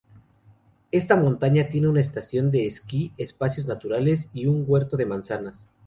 Esta montaña tiene una estación de esquí, espacios naturales, y un huerto de manzanas.